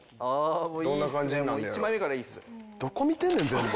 どこ見てんねんでも。